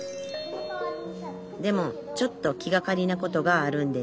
でもちょっと気がかりなことがあるんです